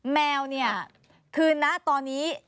แมวเนี่ยคือนะตอนนี้